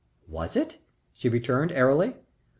"Was it?" she returned, airily.